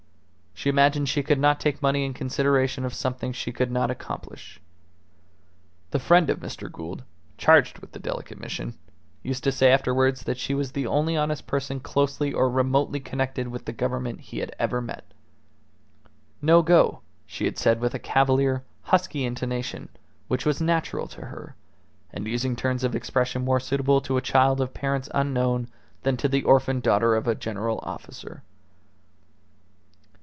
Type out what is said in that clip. She imagined she could not take money in consideration of something she could not accomplish. The friend of Mr. Gould, charged with the delicate mission, used to say afterwards that she was the only honest person closely or remotely connected with the Government he had ever met. "No go," she had said with a cavalier, husky intonation which was natural to her, and using turns of expression more suitable to a child of parents unknown than to the orphaned daughter of a general officer.